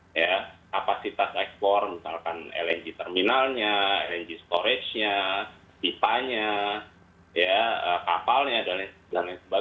kapasitas ekspor misalkan lng terminalnya lng storage nya pipanya kapalnya dsb